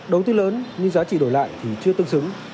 đầu tư lớn nhưng giá trị đổi lại thì chưa tương xứng